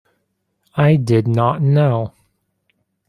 I did not know.